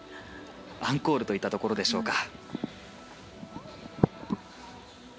アンコールといったところでしょうか。